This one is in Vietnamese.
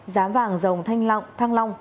giá vàng dòng thăng long